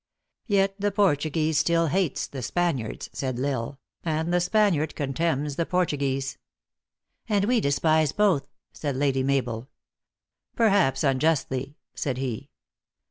"Yet the Portuguese still hates the Spaniards," said L Isle, " and the Spaniard contemns the Portu guese." " And we despise both," said Lady Mabel." "Perhaps unjustly," said he.